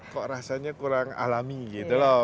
kok rasanya kurang alami gitu loh